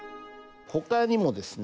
ほかにもですね